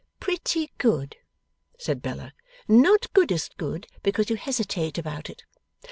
'Pretty good!' said Bella. 'Not goodest good, because you hesitate about it.